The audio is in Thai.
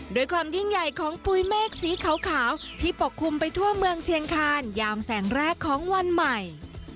โดยความยิ่งใหญ่ของปุ๋ยเมฆสีขาวที่ปกคลุมไปทั่วเมืองเชียงคานยามแสงแรกของวันใหม่